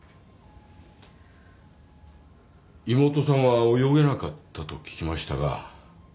妹さんは泳げなかったと聞きましたが。